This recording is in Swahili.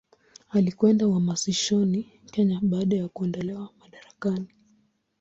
Alikwenda uhamishoni Kenya baada ya kuondolewa madarakani.